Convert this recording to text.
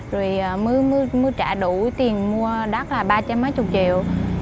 rồi mới trả đủ tiền mua đất là ba trăm mấy chục triệu